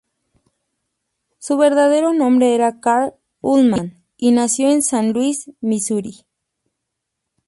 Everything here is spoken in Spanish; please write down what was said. Su verdadero nombre era Carl Ullman, y nació en San Luis, Misuri.